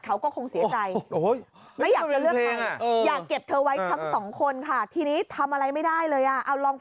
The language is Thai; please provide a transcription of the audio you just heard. อ๋อทั้งสองเลยเหรอ